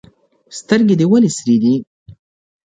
سترګي دي ولي سرې دي؟